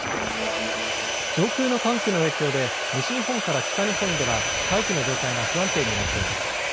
上空の寒気の影響で西日本から北日本では大気の状態が不安定になっています。